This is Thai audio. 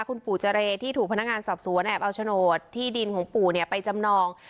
คุณปู่เจรที่ถูกพนักงานสอบสวนแอบเอาโฉนดที่ดินของปู่ไปจำนอง